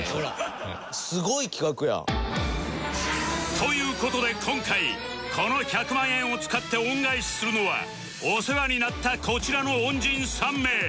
という事で今回この１００万円を使って恩返しするのはお世話になったこちらの恩人３名